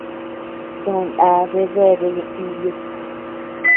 To nda bea deabea ñeʼe iyu.